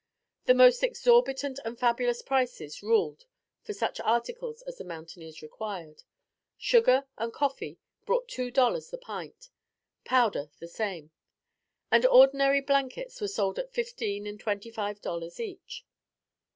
The most exorbitant and fabulous prices ruled for such articles as the mountaineers required. Sugar and coffee brought two dollars the pint; powder, the same; and ordinary blankets were sold at fifteen and twenty five dollars each.